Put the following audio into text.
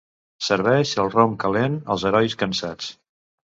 Serveix el rom calent als herois cansats.